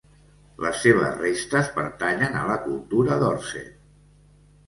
Les seves restes pertanyen a la cultura Dorset.